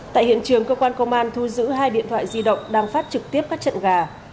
tại hiện trường cơ quan công an thu giữ hai điện thoại di động đang phát trực tiếp các trận gà